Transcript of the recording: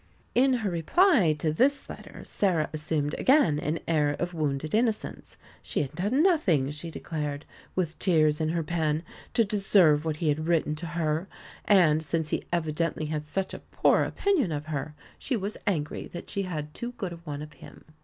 In her reply to this letter Sarah assumed again an air of wounded innocence. She had done nothing, she declared, with tears in her pen, to deserve what he had written to her; and since he evidently had such a poor opinion of her she was angry that she had too good a one of him.